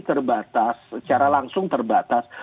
terbatas secara langsung terbatas